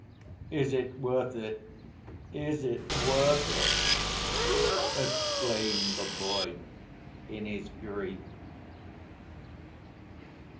"Is it worth it? Is it worth it?" exclaimed the boy in his grief.